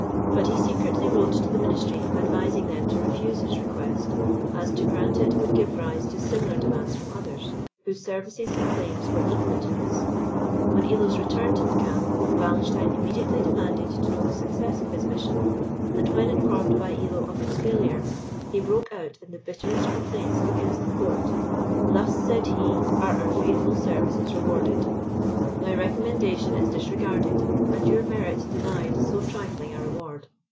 But he secretly wrote to the ministry, advising them to refuse his request, as to grant it would give rise to similar demands from others, whose services and claims were equal to his. On Illo's return to the camp, Wallenstein immediately demanded to know the success of his mission; and when informed by Illo of its failure, he broke out into the bitterest complaints against the court. "Thus," said he, "are our faithful services rewarded. My recommendation is disregarded, and your merit denied so trifling a reward!